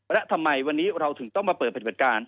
และทำไมวันนี้เราถึงต้องมาเปิดปฏิบัติการ